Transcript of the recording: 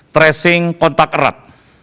tracing kontak erat